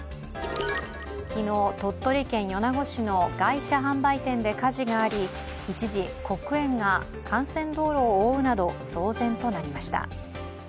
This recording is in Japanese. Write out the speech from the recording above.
昨日、鳥取県米子市の外車販売店で火事があり一時、黒煙が幹線道路を覆うなど、騒然となりました。